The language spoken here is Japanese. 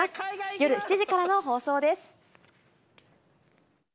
夜７時からの放送です。